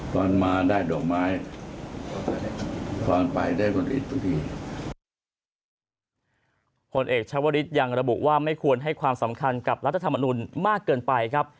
ผลเอกชาวริสยังระบุว่าไม่ควรให้ความสำคัญกับรัฐธรรมนุนมากเกินไปครับ